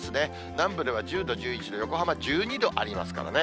南部では１０度、１１度、横浜１２度ありますからね。